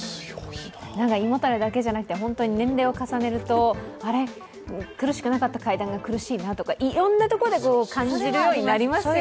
胃もたれだけじゃなくて本当に年齢を重ねると、あれっ、苦しくなかった階段が苦しいなとか、いろんなとこで感じるようになりますよね。